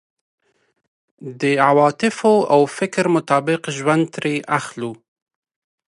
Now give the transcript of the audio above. د عواطفو او فکر مطابق ژوند ترې اخلو.